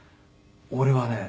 「俺はね